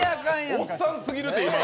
おっさんすぎるで、今の。